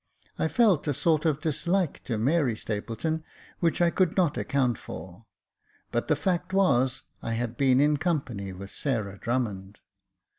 I felt a sort of dislike to Mary Stapleton, which I could not account for ; but the fact was, I had been in company with Sarah Drummond.